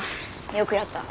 よくやった。